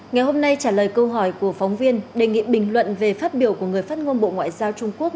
ngày hôm nay trả lời câu hỏi của phóng viên đề nghị bình luận về phát biểu của người phát ngôn bộ ngoại giao trung quốc